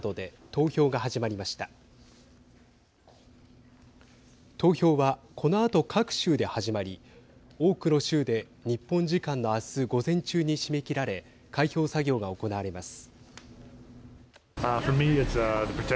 投票は、このあと各州で始まり多くの州で日本時間の明日午前中に締め切られ開票作業が行われます。